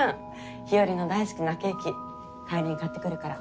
日和の大好きなケーキ帰りに買ってくるから。